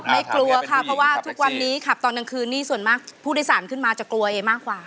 กลัวค่ะเพราะว่าทุกวันนี้ขับตอนกลางคืนนี่ส่วนมากผู้โดยสารขึ้นมาจะกลัวเอมากกว่า